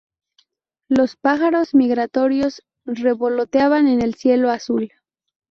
Los pájaros migratorios revoloteaban en el cielo azul